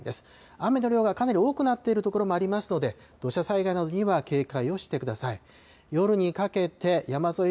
雨の量がかなり多くなっている所もありますので、土砂災害などには警戒をしてください。